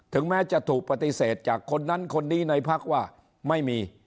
แม้จะถูกปฏิเสธจากคนนั้นคนนี้ในพักว่าไม่มี